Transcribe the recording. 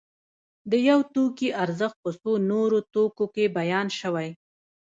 د یو توکي ارزښت په څو نورو توکو کې بیان شوی